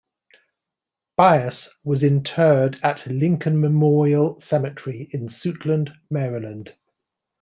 Bias was interred at Lincoln Memorial Cemetery in Suitland, Maryland.